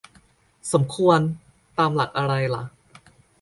"สมควร" ตามหลักอะไรล่ะ